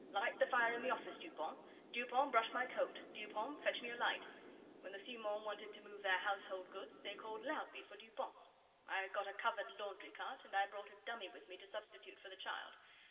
'Light the fire in the office, Dupont! Dupont, brush my coat! Dupont, fetch me a light!' When the Simons wanted to move their household goods they called loudly for Dupont. I got a covered laundry cart, and I brought a dummy with me to substitute for the child.